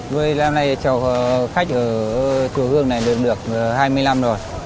tôi làm này chào khách ở chùa hương này được hai mươi năm rồi